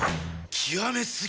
極め過ぎ！